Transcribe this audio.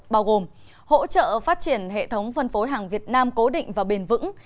bao gồm hỗ trợ phát triển hệ thống phân phối hàng việt nam cố định và bền vững